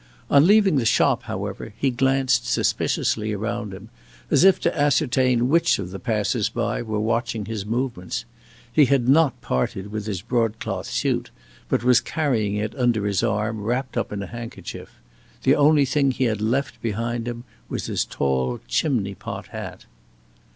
On leaving the shop, however, he glanced suspiciously around him, as if to ascertain which of the passers by were watching his movements. He had not parted with his broadcloth suit, but was carrying it under his arm, wrapped up in a handkerchief. The only thing he had left behind him was his tall chimney pot hat.